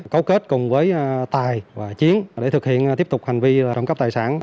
cấu kết cùng với tài và chiến để thực hiện tiếp tục hành vi trộm cắp tài sản